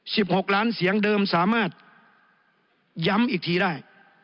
หกล้านเสียงเดิมสามารถย้ำอีกทีได้